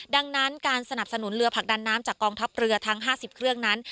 ดังนั้นการสนับสนุนเรือผลักดันน้ำจากกองทัพเรือทั้ง๕๐เครื่องนั้น